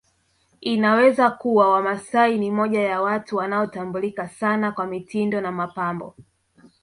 Inaweza kuwa Wamasai ni moja ya watu wanaotambulika sana kwa mitindo na mapambo